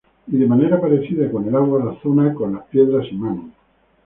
Y de manera parecida que con el agua, razona para con las piedras imán.